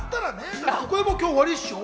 だって今日終わりでしょ？